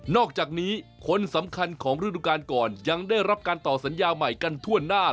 อกจากนี้คนสำคัญของฤดูการก่อนยังได้รับการต่อสัญญาใหม่กันทั่วหน้า